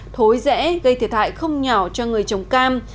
thối rẽ gây thiệt hại không nhỏ cho người trồng cam